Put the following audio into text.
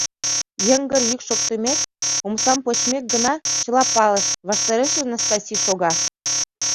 Йыҥгыр йӱк шоктымек, омсам почмек гына, чыла палыш: ваштарешыже Настаси шога.